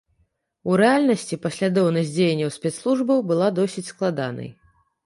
У рэальнасці паслядоўнасць дзеянняў спецслужбаў была досыць складанай.